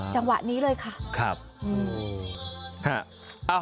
จังหวะนี้เลยค่ะ